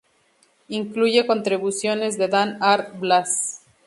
Incluye contribuciones de Dan Ar Braz.